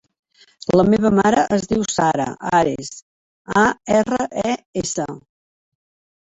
La meva mare es diu Sara Ares: a, erra, e, essa.